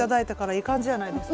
ええ感じじゃないですか？